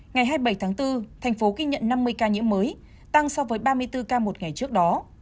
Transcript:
ngày hai mươi bảy tháng bốn thành phố ghi nhận năm mươi ca nhiễm mới tăng so với ba mươi bốn ca một ngày trước đó